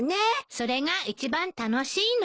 それが一番楽しいのよ。